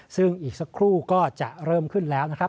ซึ่งอีกสักครู่ก็จะเริ่มขึ้นแล้วนะครับ